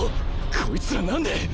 こいつらなんで。